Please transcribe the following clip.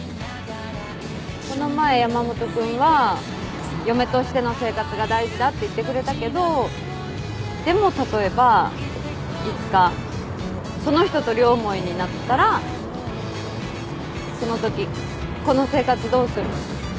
この前山本君は嫁としての生活が大事だって言ってくれたけどでも例えばいつかその人と両思いになったらそのときこの生活どうする？